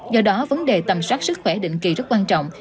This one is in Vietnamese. do đó vấn đề tầm soát sức khỏe định kỳ rất quan trọng